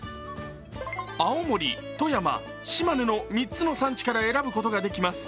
青森、富山、島根の３つの産地から選ぶことができます。